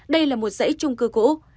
đây là một giấy trung cư cũ